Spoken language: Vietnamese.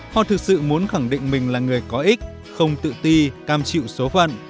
họ thực sự muốn khẳng định mình là người có ích không tự ti cam chịu số phận